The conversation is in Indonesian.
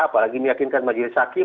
apalagi meyakinkan majelis hakim